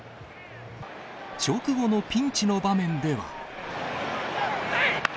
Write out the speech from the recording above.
直後のピンチの場面では。